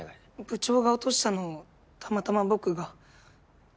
部長が落としたのをたまたま僕が。